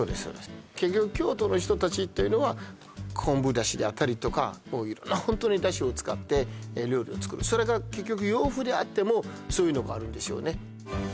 結局京都の人達というのは昆布だしであったりとか色んなホントにだしを使って料理を作るそれが結局洋風であってもそういうのがあるんですよね